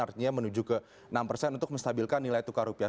artinya menuju ke enam persen untuk menstabilkan nilai tukar rupiah